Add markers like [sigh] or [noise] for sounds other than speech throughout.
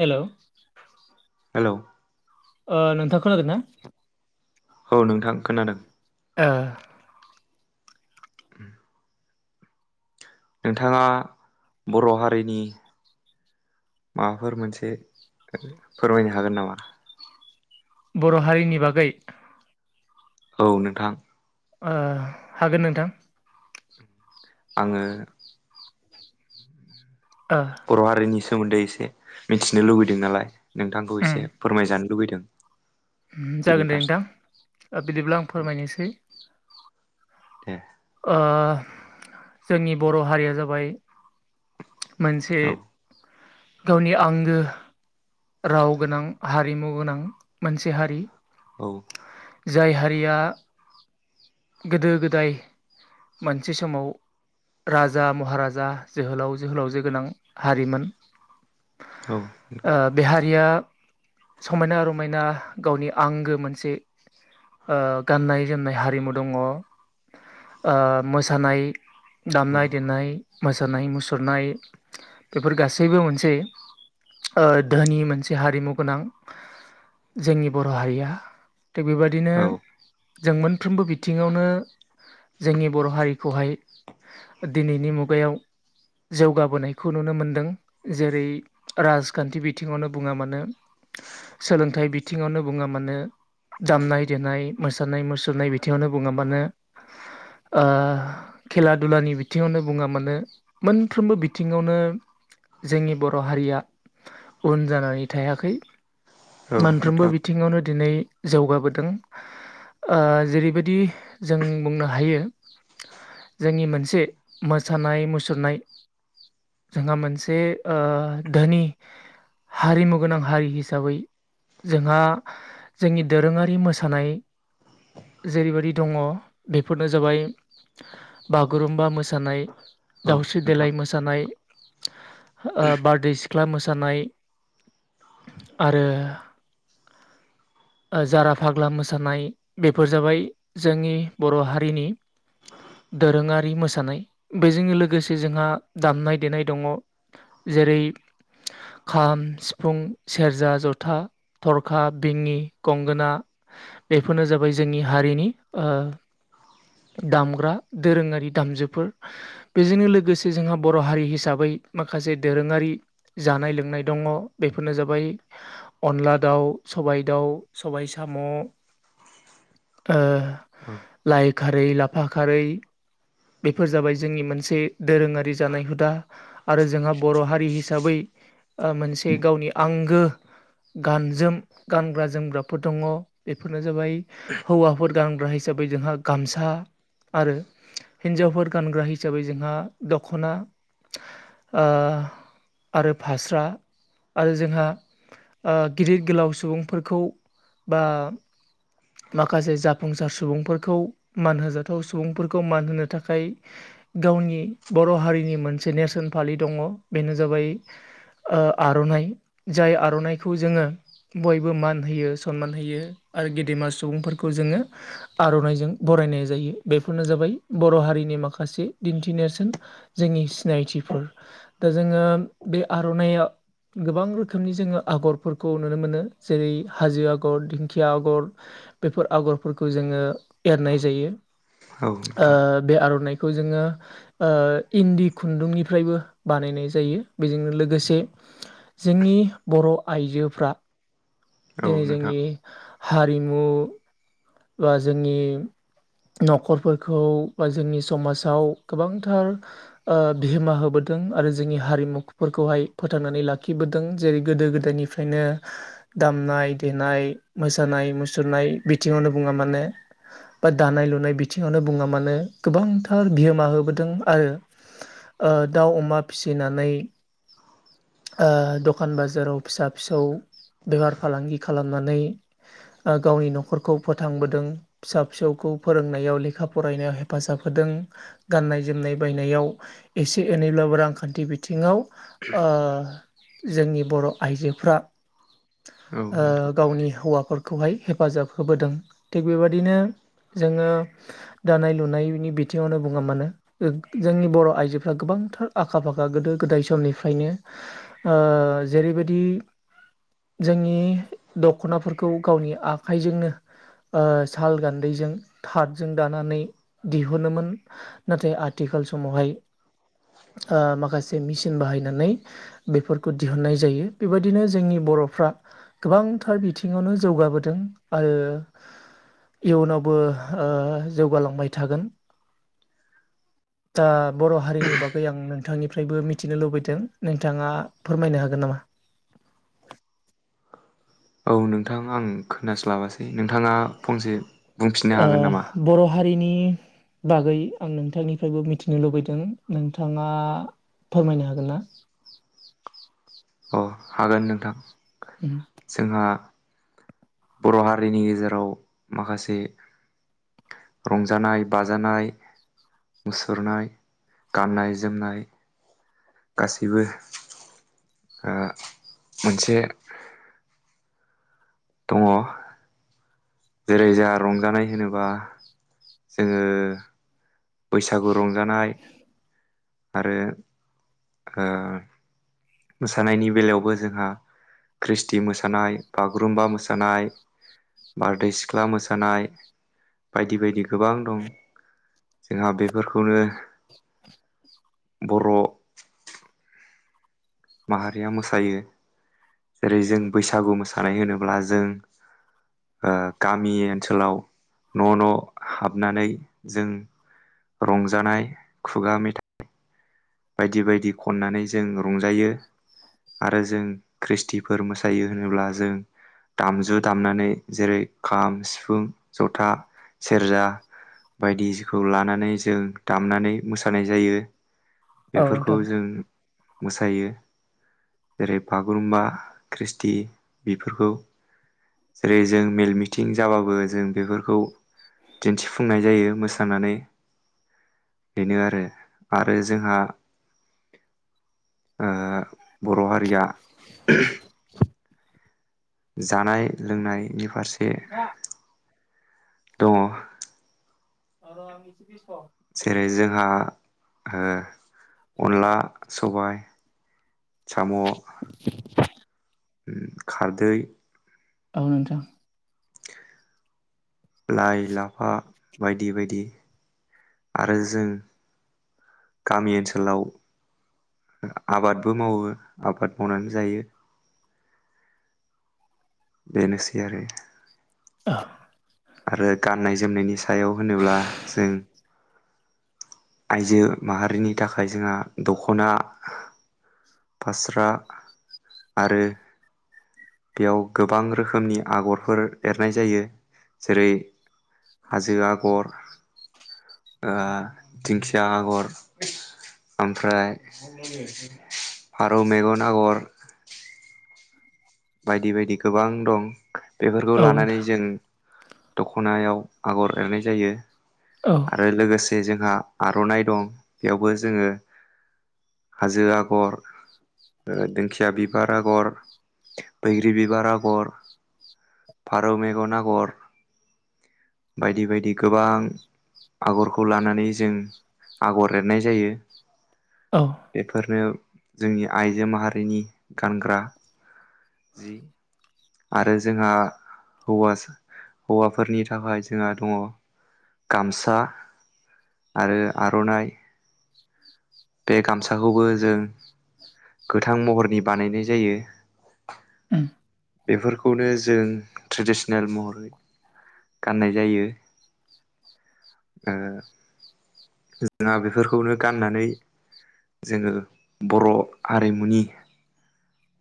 हेल'! Hello! ओ नोंथां खोनादोंना? औ नोंथां खोनादों ओ उम नोंथाङा बर' हारिनि माबाफोर मोनसे फोरमायनो हागोन नामा? बर' हारिनि बागै औ नोंथां ओ हागोन नोंथां आङो ओ बर' हारिनि सोमोन्दै एसे मिथिनो लुबैदों नालाय नोंथांखौ एसे फोरमायजानो लुबैदों। बेनि जागोन दे फारसे नोंथां बिदिब्ला आं फोरमायनोसै दे ओ जोंनि बर' हारिया जाबाय मोनसे औ गावनि आंगो राव गोनां, हारिमु गोनां मोनसे हारि औ जाय हारिया गोदो-गोदाय मोनसे समाव राजा महाराजा, जोहोलाव जोहोलावजो गोनां हारिमोन औ नोंथां बेहा समायना रमायना गावनि आंगो मोनसे ओ गाननाय जोमनाय हारिमु दङ मोसानाय औ दामनाय देनाय मोसानाय मुसुरनाय बेफोर गासैबो मोनसे धोनि मोनसे हारिमु गोनां जोंनि बर' हारिया थिग बेबायदिनो औ जों मोनफ्रोमबो बिथिङावनो जोंनि बर' हारिखौहाय दिनैनि मुगायाव जौगाबोनायखौ नुनो मोनदों जेरै राजखान्थि बिथिङावनो बुङा मानो सोलोंथाइ बिथिङावनो बुङा मानो दामनाय देनाय मोसानाय मुसुरनाय बि थिङावनो बुङा मानो ओ खेला दुलानि बिथिङावनो बुङा मानो मोनफ्रोमबो बिथिङावनो जोंनि बर' हारिया उन जानानै थायाखै। औ मोनफ्रोमबो नोंथां बिथिङावनो दिनै जौगाबोदों ओ जेरै- बेबायदि जों बुंनो हायो। जोंनि मोनसे मोसानाय मुसुरनाय जोंहा मोनसे ओ धोनि हारिमु गोनां हारि हिसाबै जोंहा जोंनि दोरोङारि मोसानाय जेरैबायदि दङ बेफोरनो जाबाय बागुरुमबा मोसानाय औ दावस्रि नोंथां देलाय मोसानाय ओ बारदै सिख्ला मोसानाय आरो [inaudible] ओ जारा फाग्ला मोसानाय बे फोर जाबाय जोंनि बर' हारिनि दोरोङारि मोसानाय बेजों लोगोसे जोंहा दामनाय देनाय दङ। जेरै खाम, सिफुं, सेरजा, जथा, थरखा, बिंनि, गंगोना बेफोरनो जाबाय जोंनि हारिनि ओ दामग्रा दोरोङारि दामजुफोर। बेजोंनो लोगोसे जोंहा बर' हारि हिसाबै माखासे दोरोङारि जानाय लोंनाय दङ बेफोरनो जाबाय अनला दाउ सबाय दाउ सबाय साम' [inaudible] ओ औ लाइ खारै, लाफा खारै बेफोर जाबाय जोंनि मोनसे दोरोङारि जानाय हुदा आरो जोंहा बर' हारि हिसाबै ओ मोनसे गावनि आंगो गानजोम गानग्रा जोमग्राफोर दङ बेफोरनो जाबाय हौवाफोर गानग्रा हिसाबै जोंहा गामसा आरो हिन्जावफोर गानग्रा हिसाबै जोंहा दखना ओ आरो फास्रा आरो जोंहा ओ गिदिर गोलाव सुबुंफोरखौ बा माखासे जाफुंसार सुबुंफोरखौ मान होजाथाव सुबुंफोरखौ मान होनो थाखाय गावनि बर' हारिनि मोनसे नेरसोन फालि दङ बेनो जाबाय ओ आर'नाइ जाय आर'नाइखौ जोङो बयबो मान होयो सनमान होयो आरो गेदेमा सुबुंफोरखौ जोङो आर'नाइजों बरायनाय जायो बेफोरनो जाबाय बर' हारिनि माखासे दिन्थि नेरसोन जोंनि सिनायथिफोर दा जोङो बे आर'नाइया गोबां रोखोमनि जोङो आगरफोरखौ नुनो मोनो जेरै हाजो आगर दिंखिया आगर बेफोर आगरफोरखौ जोङो एरनाय जायो। औ ओ नोंथां बे आर'नाइ खौ जोङो ओ इन्दि खुन्दुंनिफ्रायबो बानायनाय जायो बेजोंनो लोगोसे जोंनि बर' आइजोफ्रा औ दिनै नोंथां जोंनि हारिमु बा जोंनि नखरफोरखौ बा जोंनि समाजाव गोबांथार ओ बिहोमा होबो दों आरो जोंनि हारिमुफोरखौहाय फोथांनानै लाखिबोदों जेरै गोदो गोदायनिफ्रायनो दामनाय देनाय मोसानाय मुसुरनाय बिथि ङावनो बुङा मानोे, बा दानाय लुनाय बिथिङावनो बुङा मानोे, गोबांथार बिहोमा होबोदों। आरो ओ दाउ अमा फिसिनानै ओ दखान बाजाराव फिसा फिसौ बेफार फालांगि खालामनानै ओ गावनि नखरखौ फोथांबोदों फिसा फिसौखौ फोरोंनायाव लेखा फरायनायाव हेफाजाब होदों, गाननाय जोमनाय नाय बायनायाव एसे एनैब्लाबो रांखान्थि बिथिङाव ओ जोंनि बर' आइजोफ्रा औ नोंथां ओ गावनि हौवाफोरखौहाय हेफाजाब होबोदों थिग बेबादिनो जोङो दानाय लुनायनि बिथिङावनो बुङा मानो जोंनि बर' आइजोफ्रा गोबां गोबांथार आखा फाखा गोदो गोदाय समनिफ्रायनो ओ जेरैबायदि जोंनि दखनाफोरखौ गावनि आखाइजोंनो ओ साल गान्दैजों थाथजों दानानै दिहुनोमोन नाथाय आ आथिखाल समावहाय ओ माखासे मेसिन बाहायनानै बेफोरखौ दिहुननाय जायो बेबायदिनो जोंनि ब बर'फ्रा गोबांथार बिथिङावनो जौगाबोदों आरो इयुनावबो ओह जौगालांबाय थागोन। [inaudible] दा बर' हारिनि बागै आं नोंथांनि फ्रायबो मिथिनो लुबैदों नोंथाङा फोरमायनो हागोन नामा? औ नोंथां आं खोनास्लाबासै नोंथाङा फंसे बुंफिननो हागोन ओह नामा बर' हारिनि बागै आं नोंथांनिफायबो मिथिनो लुबैदों नोंथांआ फोरमायनो हागोनना [inaudible] अ हागोन नोंथां जोंहा बर' हारिनि गेजेराव माखासे रंजानाय बाजानाय मुसुरनाय गाननाय जोमनाय गासैबो ओह मोनसे दङ' जेरै जाहा रंजानाय होनोबा जोङो बैसागु रंजानाय आरो ओ मोसानायनि बेलायावबो जोंहा ख्रिसथि मोसानाय बागुरुम्बा मोसानाय बारदै सिख्ला मोसानाइ बायदि बायदि गोबां दं। जोंहा बेफोरखौनो बर' माहारिया मोसायो। जेरै जों बैसागु मोसानाय होनोब्ला जों ओ गामि ओनसोलाव न' न' हाबनानै जों रंजानाय खुगा मेथाइ बायदि बायदि खननानै जों रंजायो। आरो जों ख्रिसथिफोर मोसायो होनोब्ला जों दामजु दामनानै जेरै खाम सिफुं जथा सेरजा बायदि जिखौ लानानै जों दामनानै मोसानाय जायो। औ बेफोरखौ नोंथां जों मोसायो। जेरै बागुरुम्बा ख्रिसथि बेफोरखौ जेरै जों मेल मिथिं जाबाबो जों बेफोरखौ दिनथिफुंनाय जायो मोसानानै बेनो आरो आरो जोंहा ओह बर' हारिया [unintelligible] जानाय लोंनाय नि फारसे दङ' [inaudible] जेरै जोंहा ओह अनला सबाइ साम' उम खारदै औ नोंथां। लाय लाफा बायदि बायदि। आरो जों गामि ओनसोलआव ओ आबादबो मावो आबाद मावनानै जायो। बेनोसै आरो। [inaudible] आरो गाननाय जोमनायनि सायाव होनोब्ला जों आइजो माहारिनि थाखाय जोंहा दखना फास्रा आरो बेयाव गोबां रोखोमनि आग'रफोर एरनाय जायो जेरै हाजो आगर ओ दिंखिया आगर ओमफ्राय फारौ मेगन आगर बायदि बायदि गोबां दं बेफोरखौ नोंथां लानानै जों दख'नायाव आगर एरनाय जायो औ आरो लोगोसे जों जोंहा आर'नाइ दं बेयावबो जोङो हाजो आगर दिंखिया बिबार आगर, बैग्रि बिबार आगर फारौ मेगन आगर बायदि बायदि गोबां आगरखौ लानानै जों आगर एरनाय जायो। औ बेफोरनो जोंनि आइजो माहारिनि गानग्रा जि आरो जोंहा हौवा हौवाफोरनि थाखाय जोंहा दङ गामसा आरो आर'नाइ बे गामसाखौबो जों गोथां महरनि बानायनाय जायो। बेफोरखौनो जों ट्रेडिसनेल महरै गाननाय जायो। ओ जोंहा बेफोरखौनो गाननानै जोङो बर' हारिमुनि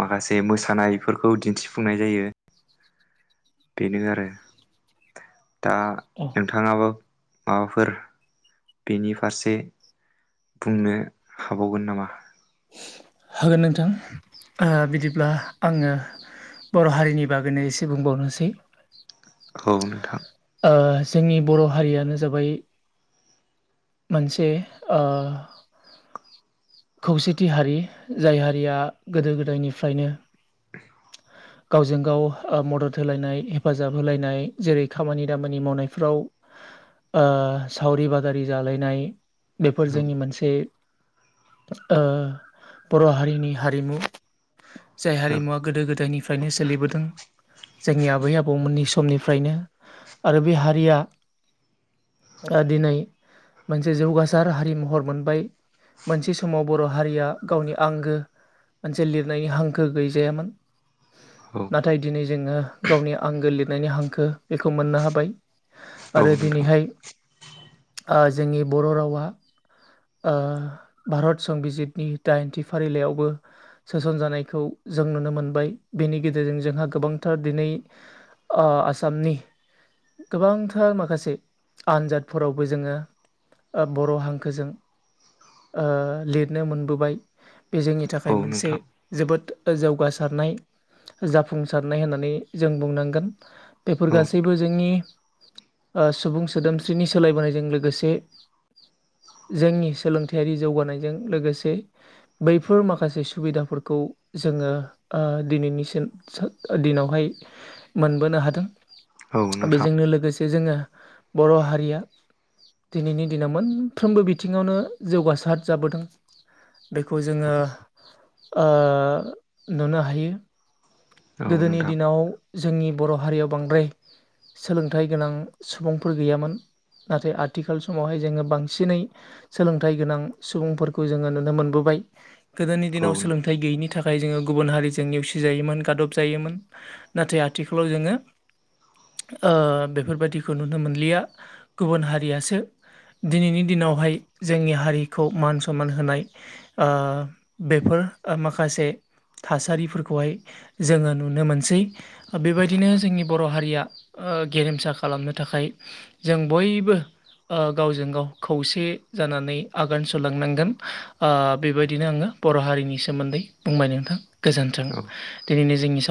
माखासे मोसानायफोरखौ दिन्थिफुंनाय जायो। बेनो आरो। दा औ नोंथाङाबो माबाफोर बेनि फारसे बुंनो हाबावगोन नामा? होगोन नोंथां बिदिब्ला आङो बर' हारिनि बागैनो एसे बुंबावनोसै। औ नोंथां। ओ जोंनि बर' हारियानो जाबाय मोनसे ओ खौसेथि हारि, जाय हारिया गोदो गोदायनिफ्रायनो [inaudible] गावजों गाव ओ मदद होलायनाय हेफाजाब होलायनाय जेरै खामानि दामानि मावनायफ्राव [inaudible] सावरि बादारि जालायनाय बेफोर औ जोंनि मोनसे ओ बर' हारिनि हारिमु। जाय औ हारिमुवा गोदो गोदायनिफ्रायनो सोलिबोदों जोंनि आबै आबौमोननि स समनिफ्रायनो आरो बे हारिया दिनै मोनसे जौगासार हारि महर मोनबाय। मोनसे समाव बर' हारिया गावनि आंगो मोनसे लिरनायनि हांखो गैजायामोन। नाथाय दिनै जोङो गावनि आंगो लिरनायनि हांखो बेखौ मोननो हाबाय। औ आरो नोंथां दिनैहाय ओ जोंनि बर' रावा ओ भारत संबिजितनि दाइनथि फारिलाइयावबो सोसनजानायखौ जों नुनो मोनबाय। बेनि गेजेरजों जोंहा गोबांथार दिनै ओ आसामनि गोबांथार माखासे आनजादफोरावबो जोङो ओ बर' हांखोजों लिरनो मोनबोबाय बे जोंनि औ थाखाय मोनसे नोंथां जोबोद। जौगासारनाय जाफुंसारनाय होननानै जों बुंनांगोन। बेफोर औ गासैबो जोंनि। सुबुं सोदोमस्रिनि सोलायबोनायजों लोगोसे। जोंनि सोलोंथा हेरि जौगानायजों लोगोसे बैफोर माखासे सुबिदाफोरखौ जोङो ओ दिनैनिसिम सो दिनावहाय मोनबोनो हादों। औ नोंथां बेजोंनो लोगो जे जोङो बर' हारिया दिनैनि दिनाव मोनफ्रोमबो बिथिङावनो। जौगासार जाबोदों। बेखौ जोङो ओ नुनो हायो। औ गोदोनि नोंथां दिनाव जोंनि बर' हारियाव बांद्राय सोलोंथाइ गोनां सुबुंफोर गैयामोन। नाथाय आथिखाल समावहाय जोङो बांसिनै। सोलोंथाइ गोनां सुबुंफोरखौ जोङो नुनो मोनबोबाय गोदोनि औ दिनाव नोंथां सोलोंथाइ गैयैनि थाखाय जोङो गुबुन हारिजों नेवसिजायोमोन गादब जायोमोन नाथाय आथिखालाव जोङो ओ बेफोरबायदिखौ नुनो मोनलिया गुबुन हारियासो दिनैनि दिनावहाय जोंनि हारिखौ मान सनमान होनाय ओ बेफोर माखासे थासारिफोरखौहाय जोङो नुनो मोनसै बेबायदिनो जोंनि बर' हारिया। ओ गेरेमसा खालामनो थाखाय जों बयबो ओ गावजों गाव खौसे जानानै आगान सुरलांनांगोन ओ‌ बेबायदिनो आङो बर' हारिनि सोमोन्दै बुंबाय नोंथां। गोजोन्थों औ दिनैनो जोंनि साव